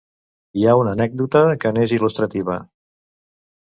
Hi ha una anècdota que n'és il·lustrativa.